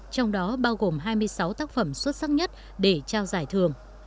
trong đó bao gồm hai mươi sáu tác phẩm xuất sắc nhất để trao giải thưởng